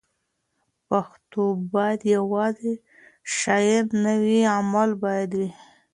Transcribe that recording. پښتو باید یوازې شعار نه وي؛ عمل باید وي.